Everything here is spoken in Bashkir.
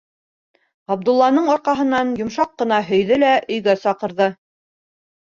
Ғабдулланың арҡаһынан йомшаҡ ҡына һөйҙө лә өйгә саҡырҙы: